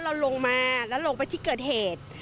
เราลงมาแล้วลงไปที่เกิดเหตุ